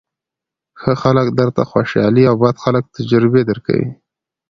ښه خلک درته خوشالۍ او بد خلک تجربې درکوي.